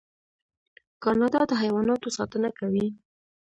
کاناډا د حیواناتو ساتنه کوي.